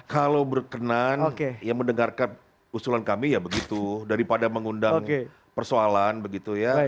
kalau berkenan ya mendengarkan usulan kami ya begitu daripada mengundang persoalan begitu ya